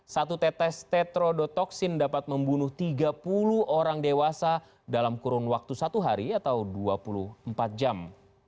satu tetes tetrodotoxin dapat membunuh tiga puluh orang dewasa dalam kurun waktu satu hari atau dua puluh empat jam